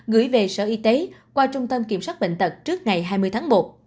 gửi về sở y tế qua trung tâm kiểm soát bệnh tật trước ngày hai mươi tháng một